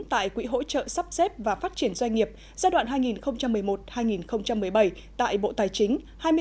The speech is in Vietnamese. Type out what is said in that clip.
tại quỹ hỗ trợ sắp xếp và phát triển doanh nghiệp giai đoạn hai nghìn một mươi một hai nghìn một mươi bảy tại bộ tài chính